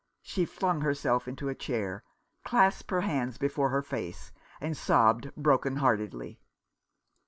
She flung herself into a chair, clasped her hands before her face, and sobbed broken heartedly.